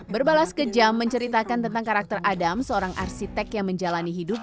berbalas kejam menceritakan tentang karakter adam seorang arsitek yang menjalani hidup